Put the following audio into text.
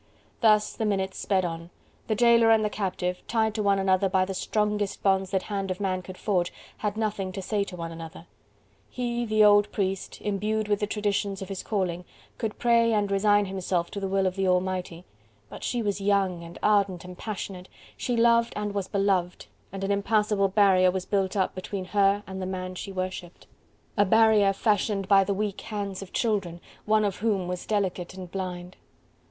Thus the minutes sped on, the jailer and the captive, tied to one another by the strongest bonds that hand of man could forge, had nothing to say to one another: he, the old priest, imbued with the traditions of his calling, could pray and resign himself to the will of the Almighty, but she was young and ardent and passionate, she loved and was beloved, and an impassable barrier was built up between her and the man she worshipped! A barrier fashioned by the weak hands of children, one of whom was delicate and blind.